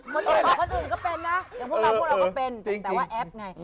พวกเราก็เป็นแต่ว่าแอปไง